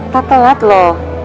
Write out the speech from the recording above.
tak telat loh